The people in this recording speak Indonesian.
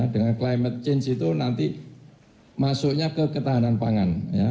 dengan climate change itu nanti masuknya ke ketahanan pangan